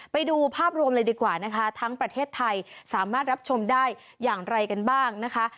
ไปดูภาพรวมเลยดีกว่านะคะทั้งประเทศไทยสามารถรับชมได้อย่างไรกันบ้างนะคะ